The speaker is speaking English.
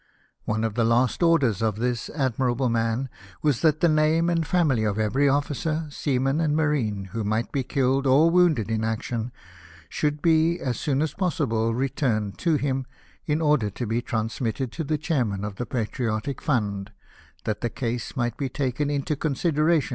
One of the last orders of this admirable man was that the name and family of every officer, seaman, and marine, who might be killed or wounded in action, should be, as soon as possible, returned to him, in order to be transmitted to the Chairman of the Patriotic Fund, that the case might be taken into 'onsirlprHlion f.